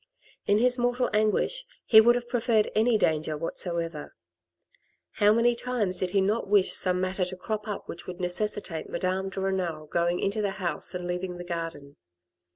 In his mortal anguish, he would have preferred any danger whatsoever. How many times did he not wish some matter to crop up which would necessitate Madame de Renal going into the house and leaving the garden